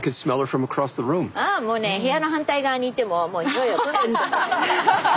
ああもうね部屋の反対側にいてももうにおいはぷんぷんしてた。